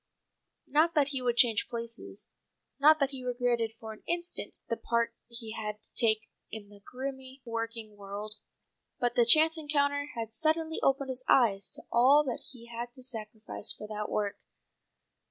Not that he would change places, not that he regretted for an instant the part he had to take in the grimy working world. But the chance encounter had suddenly opened his eyes to all that he had had to sacrifice for that work.